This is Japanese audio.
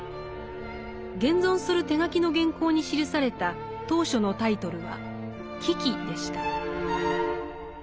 現存する手書きの原稿に記された当初のタイトルは「危機」でした。